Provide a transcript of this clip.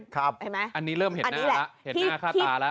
ครับอันนี้เริ่มเห็นหน้าละเห็นหน้าข้าตาละอันนี้แหละ